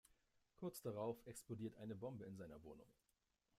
Kurz darauf explodiert eine Bombe in seiner Wohnung.